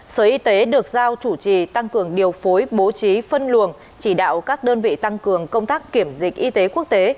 sở y tế được giao chủ trì tăng cường điều phối bố trí phân luồng chỉ đạo các đơn vị tăng cường công tác kiểm dịch y tế quốc tế